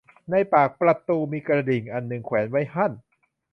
ในปากประตูมีกระดิ่งอันหนึ่งแขวนไว้หั้น